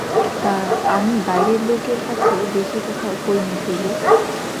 তা, আমি বাইরের লোকের কাছে বেশি কথা কই নে– শৈল।